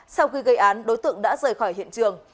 sau khi gây án đối tượng đã rời khỏi hiện trường